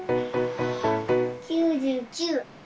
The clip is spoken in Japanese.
９９。